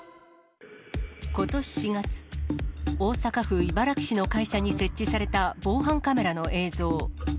ことし４月、大阪府茨木市の会社に設置された防犯カメラの映像。